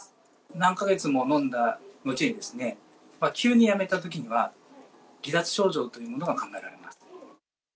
何か月も飲んだ後にですね、急にやめたときには、離脱症状というものが考えられます。